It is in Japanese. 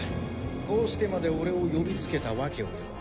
こうしてまで俺を呼びつけた訳をよ。